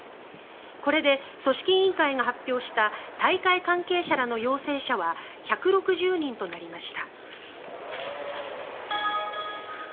これで組織委員会が発表した大会関係者らの陽性者は１６０人となりました。